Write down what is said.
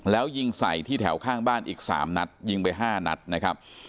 แล้วยิงใส่ที่แถวข้างบ้านอีก๓นัดยิงไป๕นัดนะครับ